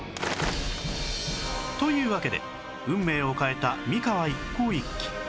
というわけで運命を変えた三河一向一揆